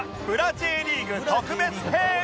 Ｊ リーグ特別編！